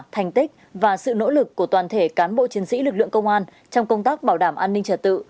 thành tích và sự nỗ lực của toàn thể cán bộ chiến sĩ lực lượng công an trong công tác bảo đảm an ninh trật tự